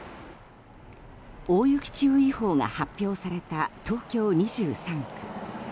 大雪注意報が発表された東京２３区。